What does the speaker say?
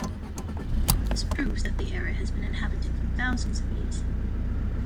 This proves that the area has been inhabited for thousands of years.